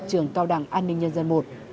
trường cao đẳng an ninh nhân dân một